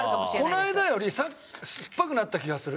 この間よりすっぱくなった気がする。